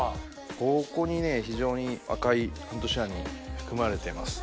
ここに非常に赤いアントシアニン含まれてます。